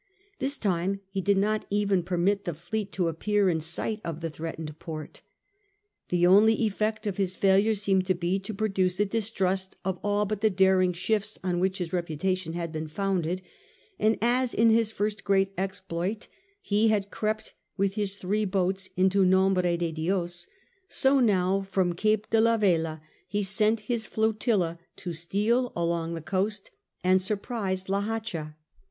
This time he did not even permit the fleet to appear in sight of the threatened port The only effect of his failure seemed to be to produce a distrust of all but the daring shifts on which his reputation had been founded ; and as in his first great exploit he had crept with his three boats into Nombre de DioB, so now from Cape de la Vela he sent his flotilla to steal along the coast and surprise La Hacha.